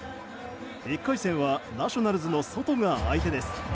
１回戦はナショナルズのソトが相手です。